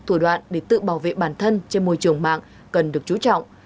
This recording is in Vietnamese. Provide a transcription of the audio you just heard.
thủ đoạn để tự bảo vệ bản thân trên môi trường mạng cần được chú trọng